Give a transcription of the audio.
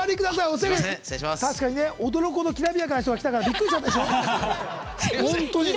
確かに、驚くほどきらびやかな人が来たからびっくりしちゃったでしょ。